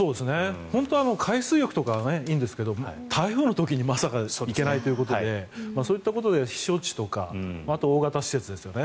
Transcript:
本当は海水浴とかがいいんですけど台風の時にまさか行けないということでそういったことで避暑地とかあとは大型施設ですよね